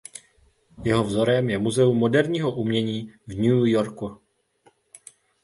Jeho vzorem je Muzeum moderního umění v New Yorku.